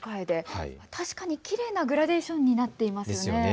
確かに、きれいなグラデーションになっていますね。